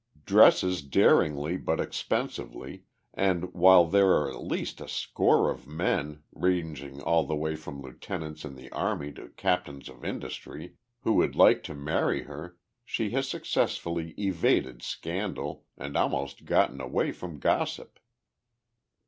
Dresses daringly but expensively, and while there are at least a score of men, ranging all the way from lieutenants in the army to captains of industry, who would like to marry her she has successfully evaded scandal and almost gotten away from gossip."